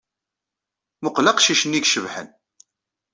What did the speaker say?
Mmuqqel aqcic-nni ay icebḥen.